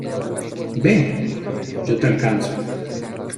¡ Ve! ¡ yo te alcanzo !